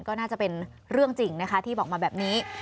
ก็น่าจะเป็นเรื่องจริงนะคะที่บอกมาแบบนี้